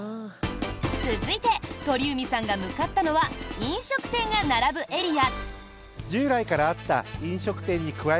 続いて鳥海さんが向かったのは飲食店が並ぶエリア。